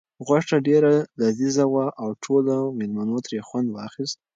غوښه ډېره لذیذه وه او ټولو مېلمنو ترې خوند واخیست.